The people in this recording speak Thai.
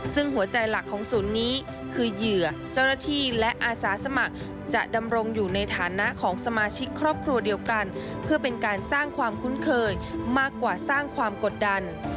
ซึ่งหัวใจหลักของศูนย์นี้คือเหยื่อเจ้าหน้าที่และอาสาสมัครจะดำรงอยู่ในฐานะของสมาชิกครอบครัวเดียวกันเพื่อเป็นการสร้างความคุ้นเคยมากกว่าสร้างความกดดัน